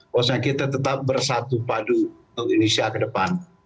bahwasanya kita tetap bersatu padu untuk indonesia ke depan